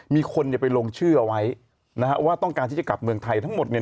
มีคนเนี่ยไปลงชื่อเอาไว้นะฮะว่าต้องการที่จะกลับเมืองไทยทั้งหมดเนี่ย